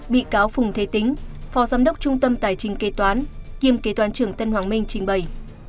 bị cáo phùng thế tính phó giám đốc trung tâm tài chính kế toán kiêm kế toàn trưởng tân hoàng minh trình bày